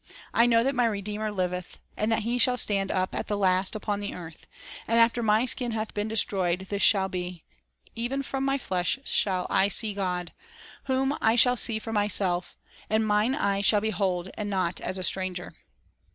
"I know that my Redeemer liveth, And that He shall stand up at the last upon the earth ; And after my skin hath been destroyed, this shall be, Even from my flesh shall I see God ; Whom I shall see for myself, And mine eyes shall behold, and not as a stranger."